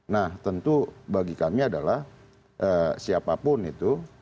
nah tentu bagi kami adalah siapapun itu